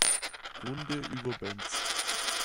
Runde über Bentz.